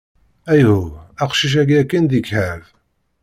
Ayhuh!... aqcic-ayi akken d ikɛeb!